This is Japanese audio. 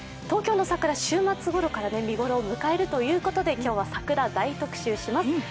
東京の桜、週末ごろから見ごろを迎えるということで、今日は桜、大特集します。